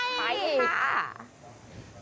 ไปค่ะ